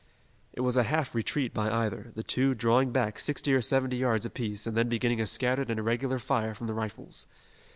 It was a half retreat by either, the two drawing back sixty or seventy yards apiece and then beginning a scattered and irregular fire from the rifles.